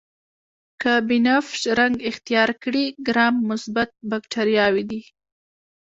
که بنفش رنګ اختیار کړي ګرام مثبت باکتریاوې دي.